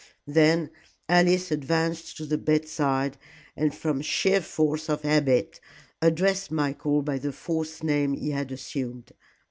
Then Alice advanced to the bedside, and from sheer force of habit addressed Michael by the false name he had assumed.